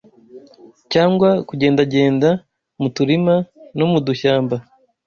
cyangwa kugendagenda mu turima no mu dushyamba